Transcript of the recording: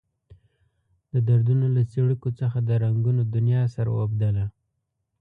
د دردونو له څړیکو څخه د رنګونو دنيا سره اوبدله.